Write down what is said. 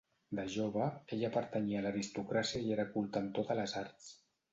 De jove, ella pertanyia a l'aristocràcia i era culta en totes les arts.